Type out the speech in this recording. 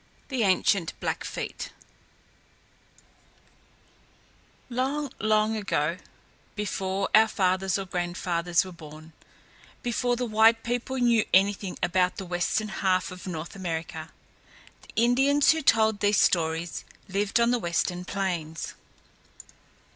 THE ANCIENT BLACKFEET Long, long ago, before our fathers or grandfathers were born, before the white people knew anything about the western half of North America, the Indians who told these stories lived on the Western plains.